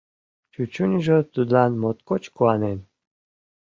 Чӱчӱньыжӧ тудлан моткоч куанен.